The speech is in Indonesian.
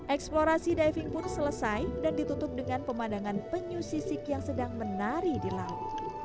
eksplorasi diving pun selesai dan ditutup dengan pemandangan penyu sisik yang sedang menari di laut